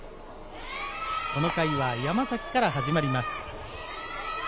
この回は山崎から始まります。